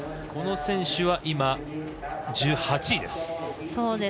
この選手は今、１８位です。